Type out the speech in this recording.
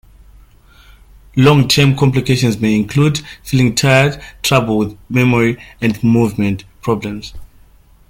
Long term complications may include feeling tired, trouble with memory, and movement problems.